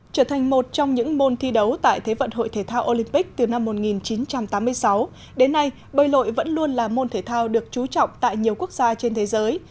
trở thành một trong những môn thi đấu tại thế vận hội thể thao olympic từ năm một nghìn chín trăm tám mươi sáu đến nay bơi lội vẫn luôn là môn thể thao được trú trọng tại nhiều quốc gia trên thế giới